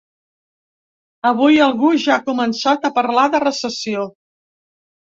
Avui algú ja ha començat a parlar de recessió.